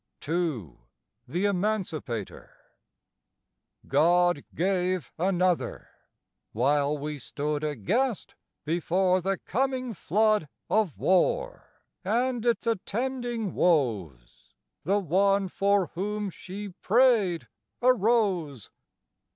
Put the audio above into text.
II. THE EMANCIPATOR God gave another; while we stood Aghast before the coming flood Of war, and its attending woes, The one for whom she prayed arose.